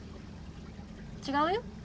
違うよ